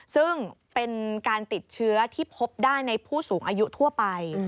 ซึ่งเป็นการติดเชื้อที่พบได้ในผู้สูงอายุทั่วไป